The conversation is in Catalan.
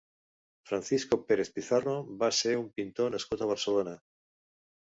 Francisco Pérez Pizarro va ser un pintor nascut a Barcelona.